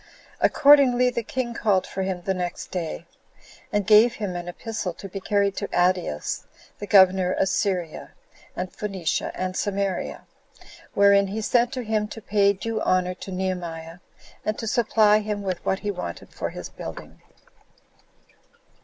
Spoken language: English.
Accordingly, the king called for him the next day, and gave him an epistle to be carried to Adeus, the governor of Syria, and Phoenicia, and Samaria; wherein he sent to him to pay due honor to Nehemiah, and to supply him with what he wanted for his building.